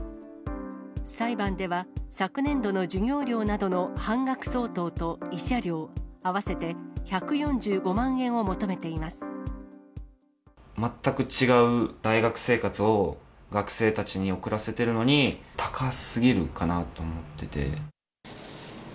裁判では、昨年度の授業料などの半額相当と慰謝料、合わせて１４５万円を求全く違う大学生活を、学生たちに送らせてるのに、高すぎるかなって思ってて。